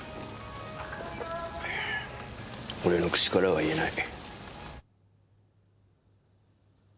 俺の口からは言えない。